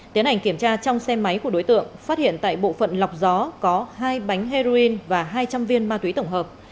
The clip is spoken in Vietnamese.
tiến hành kiểm tra trong xe máy của đối tượng phát hiện tại bộ phận lọc gió có hai bánh heroin và hai trăm linh viên ma túy tổng hợp